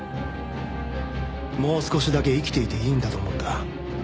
もう少しだけ生きていていいんだと思った。